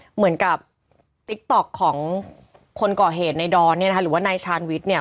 เหมือนกับติ๊กต๊อกของคนก่อเหตุในดอนเนี่ยนะคะหรือว่านายชาญวิทย์เนี่ย